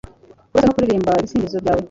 Kurasa no kuririmba ibisingizo byawe